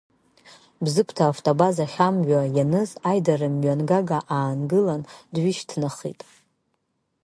Бзыԥҭа автобазахь амҩа ианыз аидарамҩангага аангылан, дҩышьҭнахит.